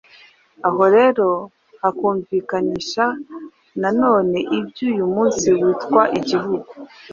Aha rero hakumvikanisha na none ibyo uyu munsi twita Igihugu